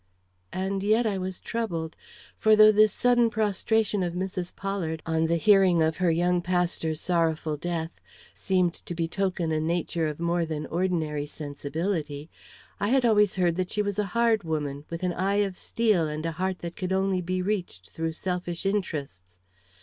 And yet I was troubled. For though this sudden prostration of Mrs. Pollard, on the hearing of her young pastor's sorrowful death, seemed to betoken a nature of more than ordinary sensibility, I had always heard that she was a hard woman, with an eye of steel and a heart that could only be reached through selfish interests.